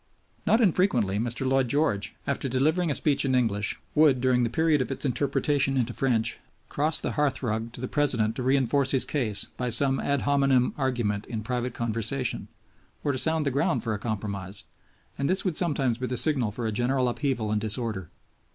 Not infrequently Mr. Lloyd George, after delivering a speech in English, would, during the period of its interpretation into French, cross the hearthrug to the President to reinforce his case by some ad hominem argument in private conversation, or to sound the ground for a compromise, and this would sometimes be the signal for a general upheaval and disorder.